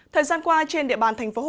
thời gian qua trên địa bàn thành phố hà nội